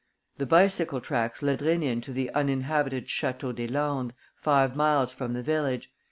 The bicycle tracks led Rénine to the uninhabited Château des Landes, five miles from the village.